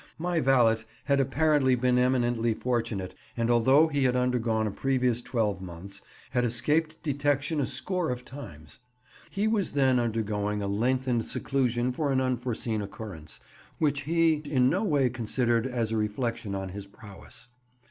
My valet had apparently been eminently fortunate, and although he had undergone a previous twelve months, had escaped detection a score of times. He was then undergoing a lengthened seclusion for an unforeseen occurrence, which he in no way considered as a reflection on his prowess.